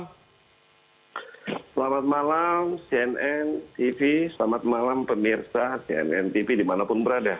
selamat malam cnn tv selamat malam pemirsa cnn tv dimanapun berada